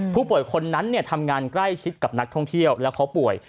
ผู้ป่วยคนนั้นทำงานใกล้ชิดกับนักท่องเที่ยวและเคาะป่วย